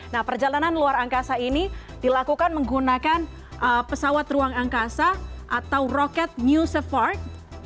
nah perjalanan luar angkasa ini dilakukan menggunakan pesawat ruang angkasa atau roket new separk